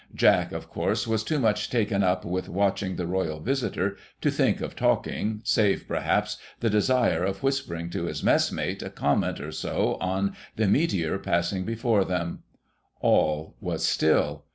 Jack, of course, was too much taken up with watching the Royal visitor, to think of talking, save, perhaps, the desire of whispering to his messmate a comment or so on the meteor passing before him. All was still.